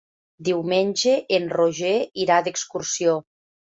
Diumenge en Roger irà d'excursió.